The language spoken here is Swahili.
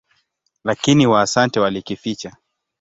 Lakini Waasante walikificha.